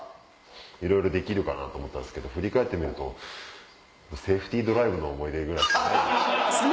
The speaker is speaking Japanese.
いろいろできると思ったんすけど振り返ってみるとセーフティードライブの思い出ぐらいしか。